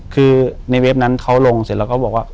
คือในเว็บนั้นเขาลงเสร็จแล้วก็บอกว่า